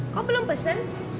kok belum pesen